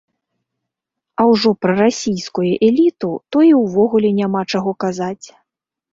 А ўжо пра расійскую эліту то і ўвогуле няма чаго казаць!